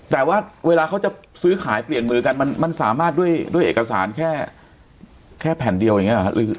แต่ว่าเวลาเขาจะซื้อขายเปลี่ยนมือกันมันสามารถด้วยเอกสารแค่แผ่นเดียวอย่างนี้หรอครับ